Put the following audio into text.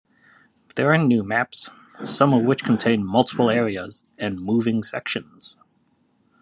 There are new maps, some of which contain multiple areas and moving sections.